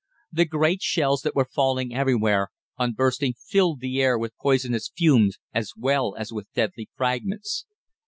The great shells that were falling everywhere, on bursting filled the air with poisonous fumes, as well as with deadly fragments.